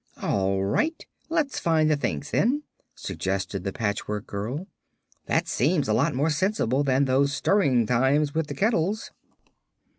"All right; let's find the things, then," suggested the Patchwork Girl. "That seems a lot more sensible than those stirring times with the kettles."